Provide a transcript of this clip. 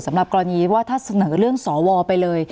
สำหรับกรณีว่าถ้าเสนอเรื่องสวไปเลย